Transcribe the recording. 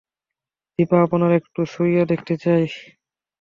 দিপা আপনারে একটু ছুঁইয়া দেখতে চায়।